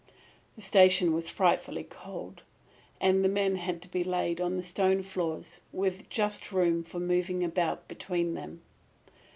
"The station was frightfully cold, and the men had to be laid on the stone floors with just room for moving about between them.